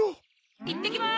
いってきます！